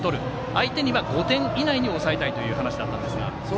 相手には５点以内に抑えたいという話だったんですが。